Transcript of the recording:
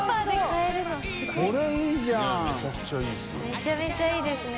めちゃめちゃいいですね。